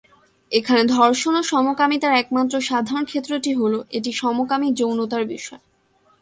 এখানে ধর্ষণ ও সমকামিতার একমাত্র সাধারণ ক্ষেত্রটি হল, এটি সমকামী যৌনতার বিষয়।